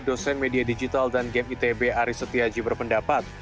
dosen media digital dan game itb aris setiaji berpendapat